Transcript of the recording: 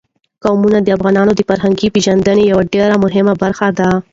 قومونه د افغانانو د فرهنګي پیژندنې یوه ډېره مهمه برخه ده.